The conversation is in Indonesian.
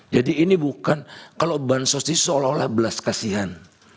jadi ini bukan kalau bansos ini seolah olah belas kasihan